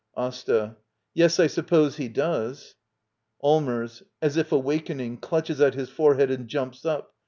AsTA. Yes, I suppose he does. Allmers. [As if awakening, clutches at his forehead and jumps up.